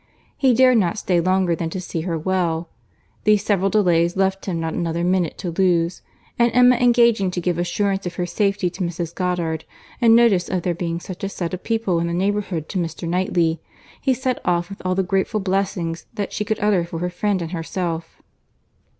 —He dared not stay longer than to see her well; these several delays left him not another minute to lose; and Emma engaging to give assurance of her safety to Mrs. Goddard, and notice of there being such a set of people in the neighbourhood to Mr. Knightley, he set off, with all the grateful blessings that she could utter for her friend and herself.